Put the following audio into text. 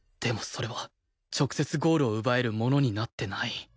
それは直接ゴールを奪えるものになってない